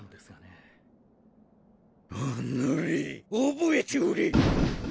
覚えておれ！